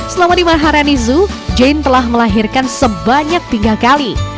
selama di maharani zoo jane telah melahirkan sebanyak tiga kali